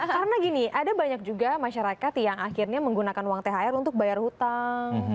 karena gini ada banyak juga masyarakat yang akhirnya menggunakan uang thr untuk bayar hutang